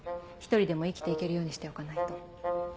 １人でも生きて行けるようにしておかないと。